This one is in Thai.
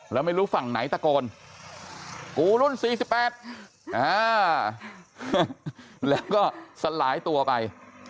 แล้วไม่รู้ฝั่งไหนตะโกนกูรุ่น๔๘แล้วก็สลายตัวไป